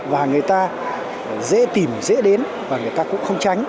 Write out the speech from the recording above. và người ta dễ tìm dễ đến và người ta cũng không tránh